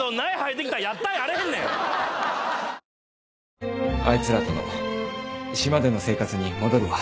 わかるぞあいつらとの島での生活に戻るわ。